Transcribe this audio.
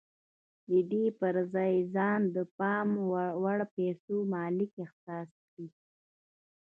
د دې پر ځای ځان د پام وړ پيسو مالک احساس کړئ.